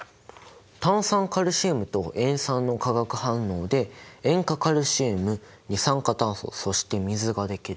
炭酸カルシムと塩酸の化学反応で塩化カルシウム二酸化炭素そして水ができる。